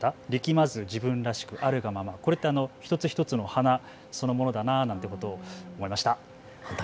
まず自分らしく、あるがままにこれは一つ一つの花そのものだなと思いました。